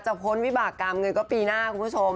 พ้นวิบากรรมเงินก็ปีหน้าคุณผู้ชม